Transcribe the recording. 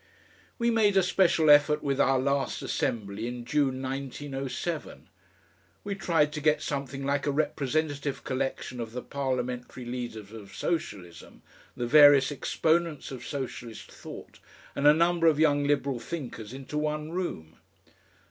We made a special effort with our last assembly in June, 1907. We tried to get something like a representative collection of the parliamentary leaders of Socialism, the various exponents of Socialist thought and a number of Young Liberal thinkers into one room.